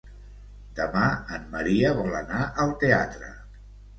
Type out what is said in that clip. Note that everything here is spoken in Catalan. Demà en Maria vol anar al teatre.